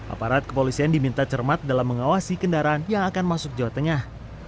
aparat kepolisian diminta cermat dalam mengawasi kendaraan yang akan masuk jawa tengah